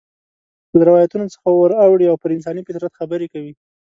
له روایتونو څخه ور اوړي او پر انساني فطرت خبرې کوي.